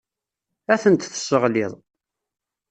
Ad tent-tesseɣliḍ.